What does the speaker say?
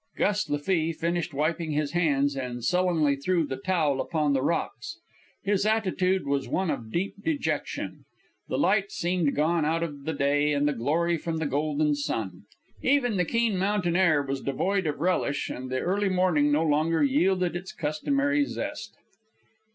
Gus Lafee finished wiping his hands and sullenly threw the towel upon the rocks. His attitude was one of deep dejection. The light seemed gone out of the day and the glory from the golden sun. Even the keen mountain air was devoid of relish, and the early morning no longer yielded its customary zest.